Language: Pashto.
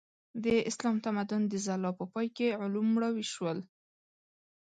د اسلامي تمدن د ځلا په پای کې علوم مړاوي شول.